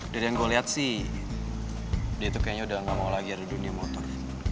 dari yang gue liat sih dia tuh kayaknya udah gak mau lagi ada di dunia motor